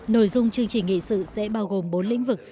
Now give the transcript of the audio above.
nội dung chương trình nghị sự sẽ bao gồm bốn lĩnh vực